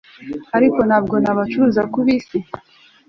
ariko ntabwo nabacuruza kubisi